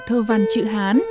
thơ văn chữ hán